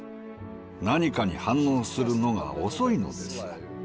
何かに反応するのが遅いのです。